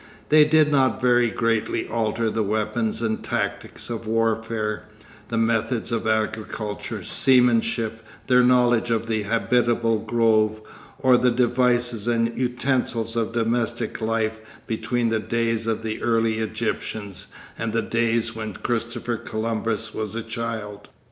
They did not very greatly alter the weapons and tactics of warfare, the methods of agriculture, seamanship, their knowledge of the habitable globe, or the devices and utensils of domestic life between the days of the early Egyptians and the days when Christopher Columbus was a child.